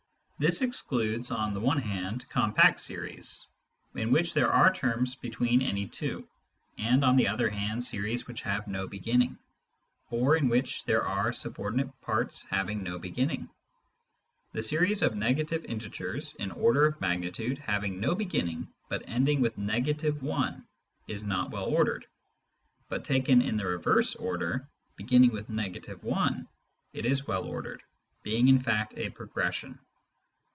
This excludes, on the one hand, compact series, in which there are terms between any two, and on the other hand series which have no beginning, or in which there are subordinate parts having no beginning. The series of negative integers in order of magnitude, having no beginning, but ending with — i, is not well ordered; but taken in the reverse order, beginning with — i, it is well ordered, being in fact a progression.